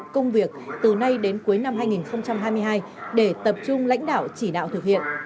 công việc từ nay đến cuối năm hai nghìn hai mươi hai để tập trung lãnh đạo chỉ đạo thực hiện